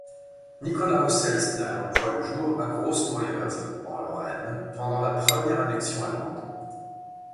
Nikolaus Selzner voit le jour à Groß-Moyeuvre en Lorraine, pendant la première annexion allemande.